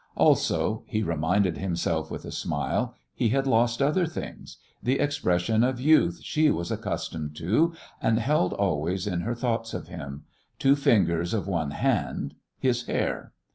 Also he reminded himself with a smile he had lost other things: the expression of youth she was accustomed to and held always in her thoughts of him, two fingers of one hand, his hair!